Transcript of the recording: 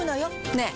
ねえ。